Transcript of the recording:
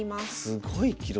すごい記録。